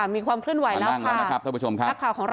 มีความขึ้นไหวแล้วค่ะรักข่าวของเราบอกว่ามาแล้วนะคะ